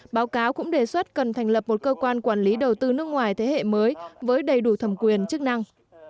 báo cáo cũng đề xuất cần thành lập một cơ quan quản lý đầu tư nước ngoài thế hệ mới với đầy đủ thầm quyền chức năng